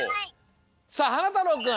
さあはなたろうくん。